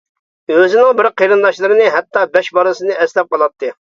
ئۆزىنىڭ بىر قېرىنداشلىرىنى، ھەتتا بەش بالىسىنى ئەسلەپ قالاتتى.